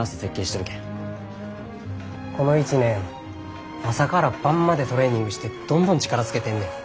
この一年朝から晩までトレーニングしてどんどん力つけてんねん。